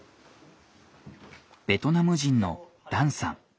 ベトナム人のダンさん。